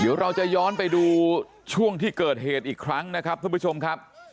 เดี๋ยวเราจะย้อนไปดูช่วงที่เกิดเหตุอีกครั้งนะครับท่านผู้ชมครับ